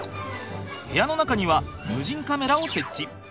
部屋の中には無人カメラを設置。